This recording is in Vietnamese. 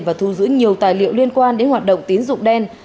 và thu giữ nhiều tài liệu liên quan đến hoạt động tín dụng đen